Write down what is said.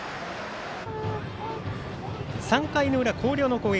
３回の裏、広陵の攻撃。